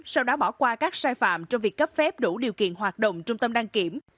sau đó bỏ qua các sai phạm trong việc cấp phép đủ điều kiện hoạt động trung tâm đăng kiểm